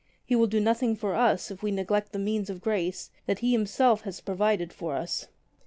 He will do nothing for us if we neglect the means of grace that He Himself has provided for us.